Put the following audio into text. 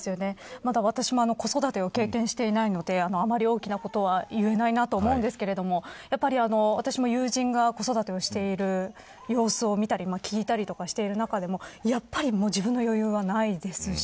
まだ私も子育てを経験していないのであまり大きなことは言えないとは思うんですがやはり、私の友人が子育てをしている様子を見たり聞いたりとかしている中でもやはり自分の余裕はないですし。